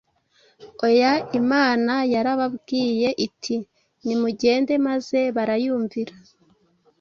Oya; Imana yari yarababwiye iti, “Nimugende”, maze barayumvira